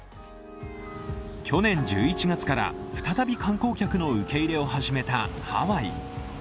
去年１１月から再び観光客の受け入れを始めたハワイ。